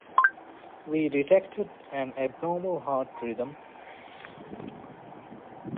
We detected an abnormal heart rhythm.